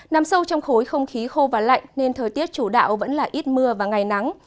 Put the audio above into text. nằm sâu trong khối không khí khô và lạnh nên thời tiết chủ đạo vẫn là ít mưa và ngày nắng